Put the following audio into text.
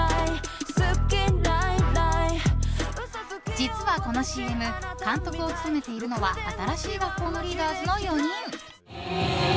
実はこのＣＭ監督を務めているのは新しい学校のリーダーズの４人。